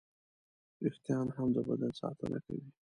وېښتيان هم د بدن ساتنه کوي.